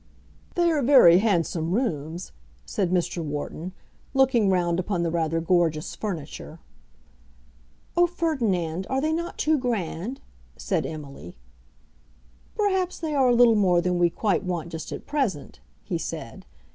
"They are very handsome rooms," said Mr. Wharton, looking round upon the rather gorgeous furniture. "Oh, Ferdinand, are they not too grand?" said Emily. "Perhaps they are a little more than we quite want just at present," he said.